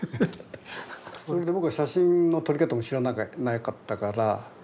それで僕は写真の撮り方も知らなかったから。